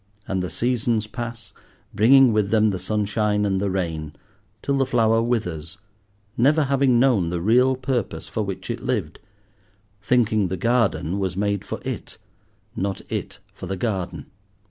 And the seasons pass, bringing with them the sunshine and the rain, till the flower withers, never having known the real purpose for which it lived, thinking the garden was made for it, not it for the garden.